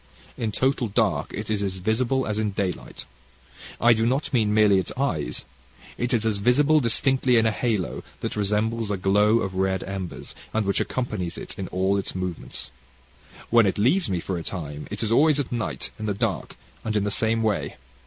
"In total dark it is visible as in daylight. I do not mean merely its eyes. It is all visible distinctly in a halo that resembles a glow of red embers, and which accompanies it in all its movements. "When it leaves me for a time, it is always at night, in the dark, and in the same way.